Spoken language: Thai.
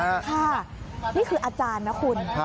ค่ะนี่คืออาจารย์นะคุณ